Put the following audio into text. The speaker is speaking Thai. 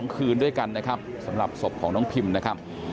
๒คืนด้วยกันนะครับสำหรับศพของน้องพิมนะครับ